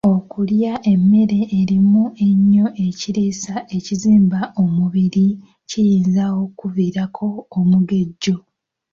Okulya emmere erimu ennyo ekiriisa ekizimba omubiri kiyinza okkuviirako omugejjo.